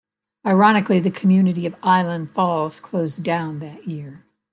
Ironically, the community of Island Falls closed down that year.